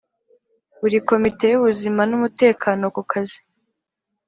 Buri komite y ubuzima n umutekano ku kazi